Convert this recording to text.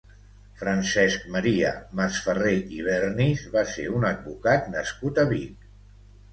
Francesc Maria Masferrer i Vernis va ser un advocat nascut a Vic.